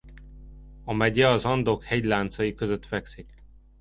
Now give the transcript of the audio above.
A megye az Andok hegyláncai között fekszik.